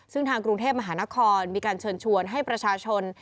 ซึ่งทางกรุงเทพมหานครมีการเชิญชวนให้ประชาชน